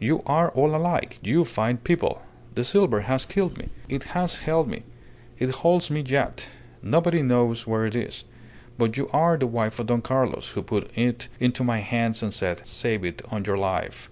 You are all alike, you fine people. The silver has killed me. It has held me. It holds me yet. Nobody knows where it is. But you are the wife of Don Carlos, who put it into my hands and said, 'Save it on your life.